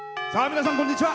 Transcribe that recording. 皆さん、こんにちは。